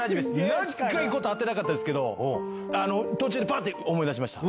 長いこと会ってなかったですけど、途中でばって思い出しました。